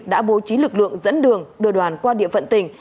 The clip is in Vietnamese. đã bố trí lực lượng dẫn đường đưa đoàn qua địa phận tỉnh